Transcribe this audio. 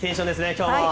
今日も。